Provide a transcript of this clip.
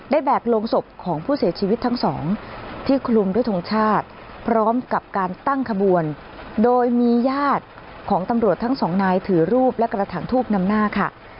แบกลงศพของผู้เสียชีวิตทั้งสองที่คลุมด้วยทงชาติพร้อมกับการตั้งขบวนโดยมีญาติของตำรวจทั้งสองนายถือรูปและกระถางทูบนำหน้าค่ะ